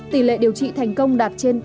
tỷ lệ điều trị thành công đạt trên tám mươi